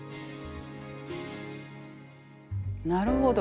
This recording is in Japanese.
なるほど。